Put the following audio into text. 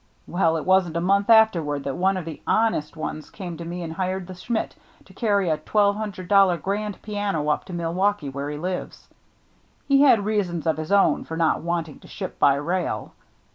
Well, it wasn't a month afterward that one of the * hon est ' ones came to me and hired the Schmidt to carry a twelve hundred dollar grand piano up to Milwaukee, where he lives. He had rea sons of his own for not wanting to ship by rail.